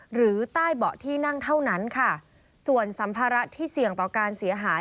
หรือใต้เบาะที่นั่งเท่านั้นค่ะส่วนสัมภาระที่เสี่ยงต่อการเสียหาย